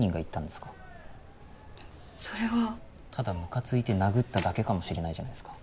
ただムカついて殴っただけかもしれないじゃないですか。